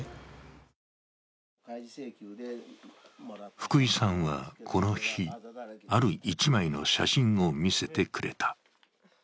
福井さんはこの日、ある１枚の写真を見せてくれた。